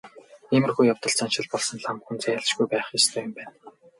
Иймэрхүү явдалд заншил болсон лам хүн зайлшгүй байх ёстой юм байна.